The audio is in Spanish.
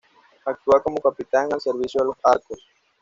Actúa como capitán al servicio de los de Arcos.